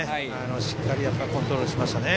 しっかりコントロールしましたね